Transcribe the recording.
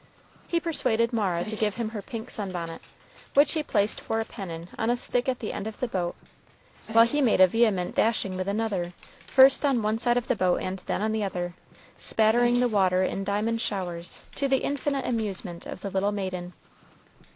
He persuaded Mara to give him her pink sun bonnet, which he placed for a pennon on a stick at the end of the boat, while he made a vehement dashing with another, first on one side of the boat and then on the other, spattering the water in diamond showers, to the infinite amusement of the little maiden.